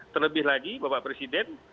terlebih lagi bapak presiden